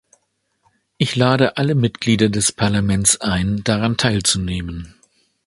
Ich lade alle Mitglieder des Parlaments ein, daran teilzunehmen.